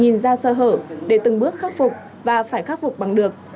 nhìn ra sơ hở để từng bước khắc phục và phải khắc phục bằng được